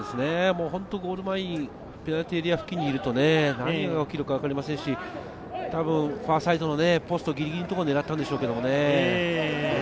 本当にゴール前に、ペナルティーエリア付近にいると何が起きるか分かりませんし、ファーサイドのポストぎりぎりのところを狙ったんでしょうけどね。